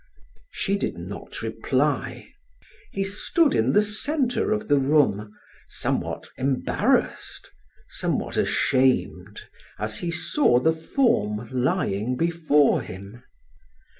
She did not reply. He stood in the center of the room, somewhat embarrassed, somewhat ashamed, as he saw the form lying before him.